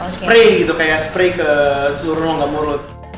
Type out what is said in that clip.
spray gitu kayak spray ke surung rongga mulut